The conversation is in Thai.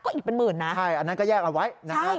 อีกเป็นหมื่นนะใช่อันนั้นก็แยกเอาไว้นะครับ